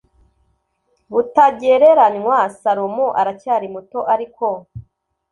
butagereranywa salomo aracyari muto ariko